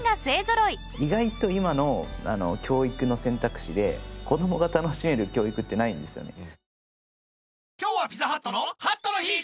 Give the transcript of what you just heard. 意外と今のあの教育の選択肢で子どもが楽しめる教育ってないんですよね。